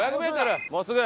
もうすぐ！